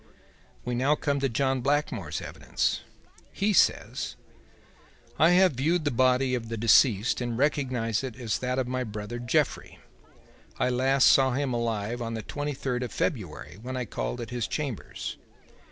"We now come to John Blackmore's evidence. He says: "'I have viewed the body of the deceased and recognize it as that of my brother Jeffrey. I last saw him alive on the twenty third of February, when I called at his chambers.